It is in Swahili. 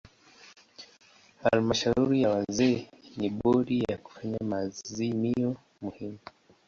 Halmashauri ya wazee ni bodi ya kufanya maazimio muhimu.